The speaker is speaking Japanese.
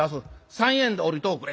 三円で下りとおくれ」。